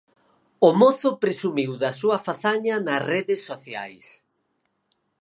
O mozo presumiu da súa fazaña nas redes sociais.